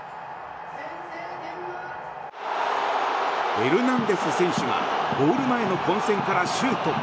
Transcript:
エルナンデス選手がゴール前の混戦からシュート。